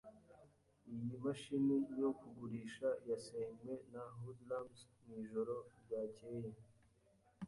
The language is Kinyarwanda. Iyi mashini yo kugurisha yasenywe na hoodlums mwijoro ryakeye.